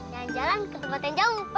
jalan jalan ke tempat yang jauh